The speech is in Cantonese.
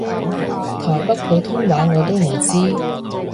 台北普通話我都唔知